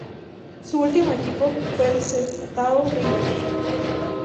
Su último equipo fue el Sestao River.